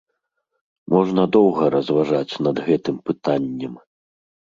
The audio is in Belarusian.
Можна доўга разважаць над гэтым пытаннем.